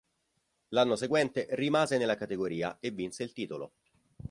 L'anno seguente rimase nella categoria e vinse il titolo.